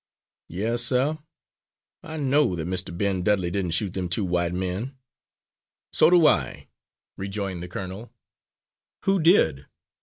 Yes, sir, I know that Mr. Ben Dudley didn' shoot them two white men." "So do I," rejoined the colonel. "Who did?"